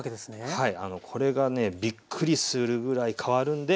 はい。